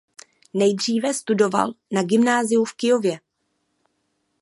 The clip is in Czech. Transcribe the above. Nejdříve studoval na gymnáziu v Kyjově.